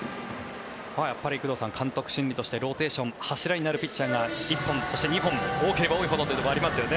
やっぱり工藤さん監督心理としてローテーション、柱となる選手が１本、そして２本多ければ多いほどというところがありますよね。